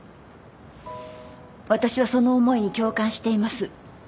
私はその思いに共感しています。